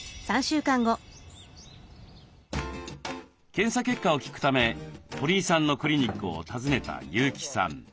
検査結果を聞くため鳥居さんのクリニックを訪ねた優木さん。